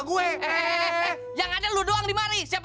gue belum punya duit